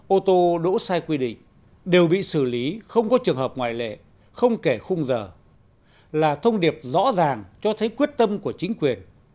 ô tô đỗ sai quy định đều bị xử lý không có trường hợp ngoại lệ không kể khung giờ là thông điệp rõ ràng cho thấy quyết tâm của chính quyền